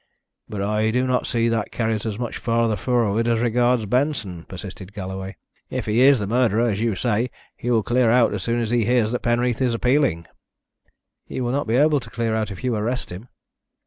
"But I do not see that carries us much further forward as regards Benson," persisted Galloway. "If he is the murderer, as you say, he will clear out as soon as he hears that Penreath is appealing." "He will not be able to clear out if you arrest him."